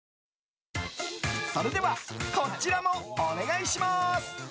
それではこちらもお願いします。